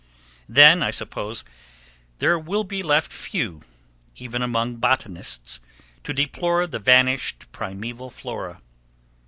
Then, I suppose, there will be few left, even among botanists, to deplore the vanished primeval flora.